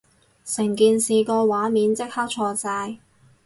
成件事個畫面即刻錯晒